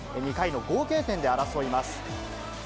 ２回の合計点で争います。